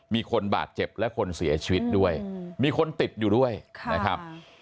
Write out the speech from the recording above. มีคนบาดเจ็บและคนเสียชีวิตด้วยมีคนติดอยู่ด้วยนะครับ